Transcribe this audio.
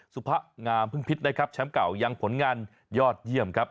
สุพะงามพึ่งพิษนะครับแชมป์เก่ายังผลงานยอดเยี่ยมครับ